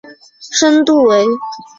深度为。